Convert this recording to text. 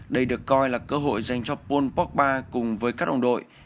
đây được coi là cơ hội dành cho paul pogba cùng với các đồng đội